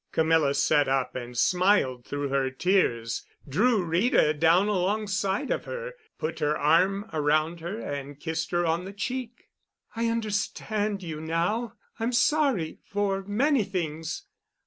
Camilla sat up and smiled through her tears, drew Rita down alongside of her, put her arm around her and kissed her on the cheek. "I understand you now. I'm sorry—for many things.